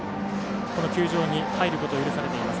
この球場に入ることを許されています。